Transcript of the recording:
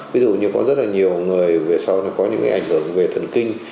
ví dụ như có rất là nhiều người về sau nó có những cái ảnh hưởng về thần kinh